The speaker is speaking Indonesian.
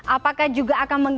apakah juga akan mengembangkan